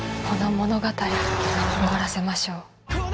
この物語終わらせましょう。